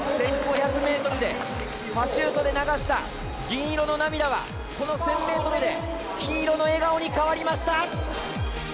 １５００ｍで、パシュートで流した銀色の涙はこの１０００ｍで金色の笑顔に変わりました！